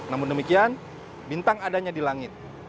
namun demikian bintang adanya di langit